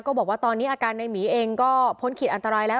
บอกว่าตอนนี้อาการในหมีเองก็พ้นขีดอันตรายแล้ว